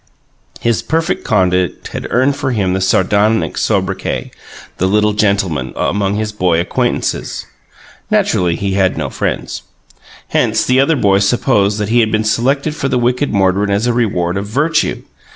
His perfect conduct had earned for him the sardonic sobriquet, "The Little Gentleman," among his boy acquaintances. (Naturally he had no friends.) Hence the other boys supposed that he had been selected for the wicked Mordred as a reward of virtue.